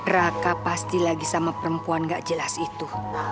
raka pasti lagi sama perempuan gak jelas itu